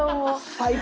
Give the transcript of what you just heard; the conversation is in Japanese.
最高！